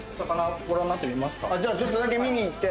じゃあちょっとだけ見に行って。